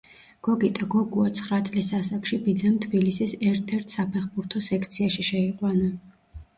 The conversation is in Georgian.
გოგიტა გოგუა ცხრა წლის ასაკში ბიძამ თბილისის ერთ-ერთ საფეხბურთო სექციაში შეიყვანა.